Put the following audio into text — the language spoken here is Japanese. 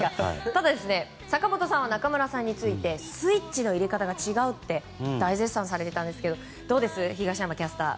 ただ、坂本さんは中村さんについてスイッチの入れ方が違うって大絶賛されていたんですけどどうですか、東山キャスター。